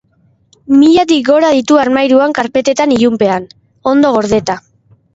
Milatik gora ditu armairuan karpetetan ilunpean, ondo gordeta.